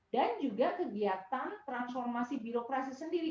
dan juga kegiatan transformasi birokrasi sendiri